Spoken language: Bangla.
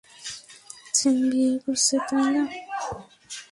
জিম বিয়ে করছে, তাই না?